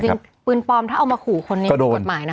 จริงปืนปลอมถ้าเอามาขู่คนนี้ครับก็โดน